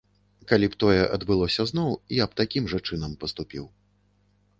Калі б тое адбылося зноў, я б такім жа чынам паступіў.